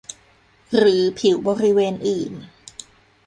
หรือผิวบริเวณอื่น